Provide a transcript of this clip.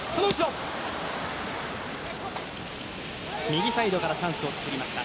右サイドからチャンスを作りました。